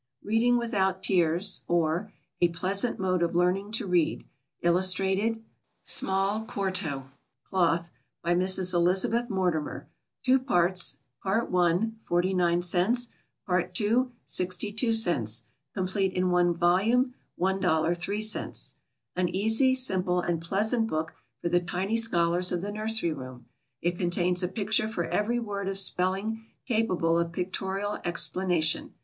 Reading without Tears; or, A Pleasant Mode of Learning to Read. Illustrated. Small 4to, Cloth. By Mrs. ELIZABETH MORTIMER. Two Parts. Part I., 49 cents; Part II., 62 cents; complete in One Volume, $1.03. An easy, simple, and pleasant book for the tiny scholars of the nursery room. It contains a picture for every word of spelling capable of pictorial explanation.